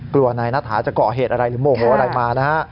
กลัวนายนัทหาจะก่อเหตุอะไรหรือโมโหอะไรมานะฮะ